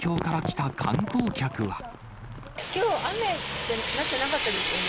きょう、雨ってなってなかったですよね？